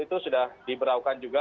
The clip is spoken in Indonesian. itu sudah diberawakan juga